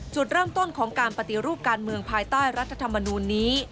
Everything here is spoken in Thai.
จุดเริ่มต้นของการปฏิรูปการเมืองภายใต้รัฐธรรมนูลนี้